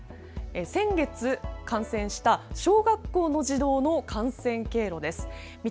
先月感染した小学校の児童の感染経路です。